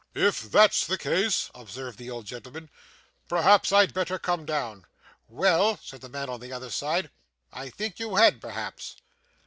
'If that's the case,' observed the old gentleman, 'perhaps I'd better come down.' 'Well,' said the man on the other side, 'I think you had, perhaps.